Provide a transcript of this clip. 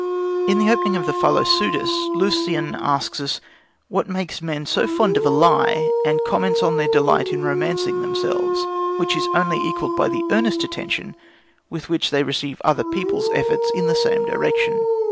In the opening of the Philopseudus, Lucian asks what it is that makes men so fond of a lie, and comments on their delight in romancing themselves, which is only equalled by the earnest attention with which they receive other people's efforts in the same direction.